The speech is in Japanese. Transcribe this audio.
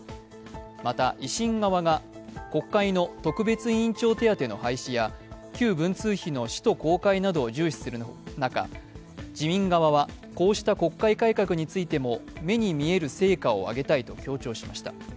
また、維新側が国会の特別委員長手当の廃止や旧文通費の使途公開などを重視する中こうした国会改革についても目に見える成果を挙げたいと強調しました。